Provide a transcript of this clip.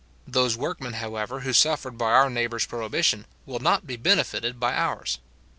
Those workmen however, who suffered by our neighbours prohibition, will not be benefited by ours.